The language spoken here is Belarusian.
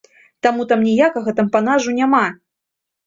Таму там ніякага тампанажу няма!